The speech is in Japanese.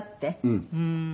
うん。